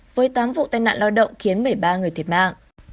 với tám vụ tai nạn lao động khiến một mươi ba người thiệt mạng